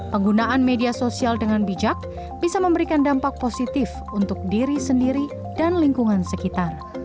penggunaan media sosial dengan bijak bisa memberikan dampak positif untuk diri sendiri dan lingkungan sekitar